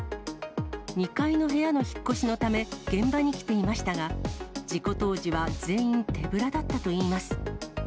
２階の部屋の引っ越しのため現場に来ていましたが、事故当時は全員手ぶらだったといいます。